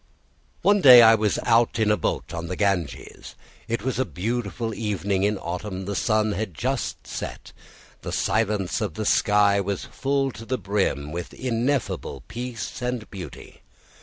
One day I was out in a boat on the Ganges. It was a beautiful evening in autumn. The sun had just set; the silence of the sky was full to the brim with ineffable peace and beauty.